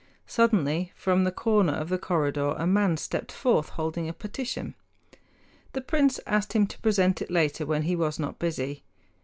Suddenly from the corner of the corridor a man stepped forth holding a petition. The prince asked him to present it later when he was not busy.